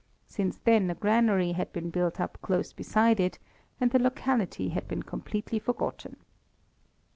Since then a granary had been built up close beside it, and the locality had been completely forgotten.